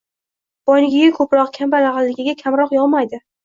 Boynikiga ko‘proq, kambag‘alnikiga kamroq yog‘maydi.